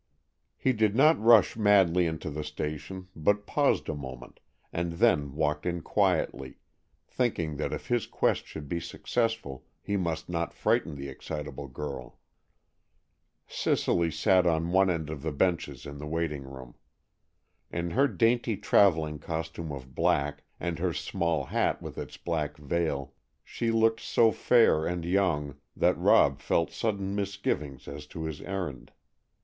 He did not rush madly into the station, but paused a moment, and then walked in quietly, thinking that if his quest should be successful he must not frighten the excitable girl. Cicely sat on one of the benches in the waiting room. In her dainty travelling costume of black, and her small hat with its black veil, she looked so fair and young that Rob felt sudden misgivings as to his errand.